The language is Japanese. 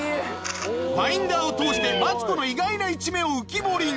ファインダーを通してマツコの意外な一面を浮き彫りに